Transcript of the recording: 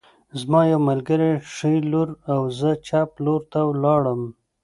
زما یو ملګری ښي لور او زه چپ لور ته لاړم